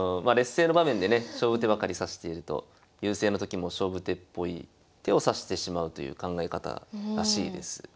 まあ劣勢の場面でね勝負手ばかり指していると優勢のときも勝負手っぽい手を指してしまうという考え方らしいです。